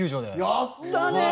やったね！